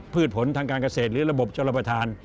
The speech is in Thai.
ผู้ผัวผลทางการเกษตรหรือระบบชวนระบทาน